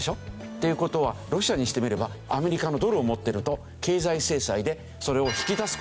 という事はロシアにしてみればアメリカのドルを持ってると経済制裁でそれを引き出す事ができない。